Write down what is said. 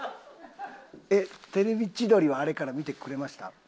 『テレビ千鳥』はあれから見てくれました？